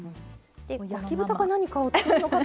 焼き豚か何かを作るのかと思いきや。